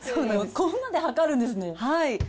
ここまで測るんですね。